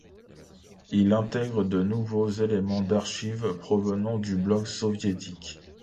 Il intègre de nouveaux éléments d'archives provenant du bloc soviétique.